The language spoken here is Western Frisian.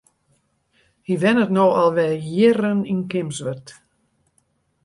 Hy wennet no al wer jierren yn Kimswert.